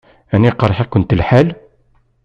Ɛni iqṛeḥ-ikent lḥal?